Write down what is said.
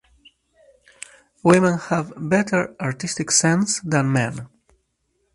Women have better artistic sense than men.